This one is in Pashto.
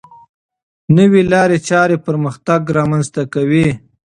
نوې لارې چارې پرمختګ رامنځته کوي.